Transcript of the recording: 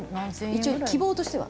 一応希望としては？